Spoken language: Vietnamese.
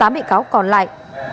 tám bị cáo còn lại